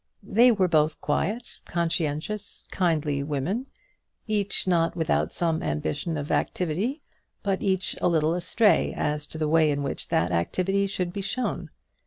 They were both quiet, conscientious, kindly women, each not without some ambition of activity, but each a little astray as to the way in which that activity should be shown.